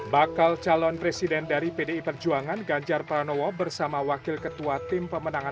bakal calon presiden dari pdi perjuangan ganjar pranowo bersama wakil ketua tim pemenangan